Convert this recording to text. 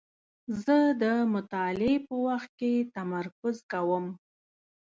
زه د مطالعې په وخت کې تمرکز کوم.